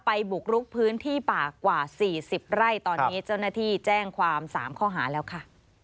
บุกรุกพื้นที่ป่ากว่า๔๐ไร่ตอนนี้เจ้าหน้าที่แจ้งความ๓ข้อหาแล้วค่ะ